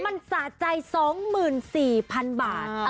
มันสะใจ๒๔๐๐๐บาท